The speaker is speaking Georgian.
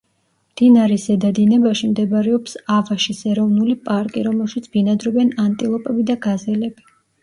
მდინარის ზედა დინებაში მდებარეობს ავაშის ეროვნული პარკი, რომელშიც ბინადრობენ ანტილოპები და გაზელები.